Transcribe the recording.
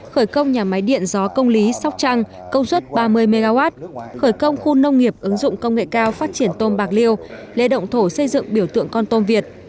khởi công nhà máy điện gió công lý sóc trăng công suất ba mươi mw khởi công khu nông nghiệp ứng dụng công nghệ cao phát triển tôm bạc liêu lễ động thổ xây dựng biểu tượng con tôm việt